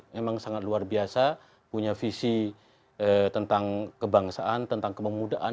memang sangat luar biasa punya visi tentang kebangsaan tentang kememudaan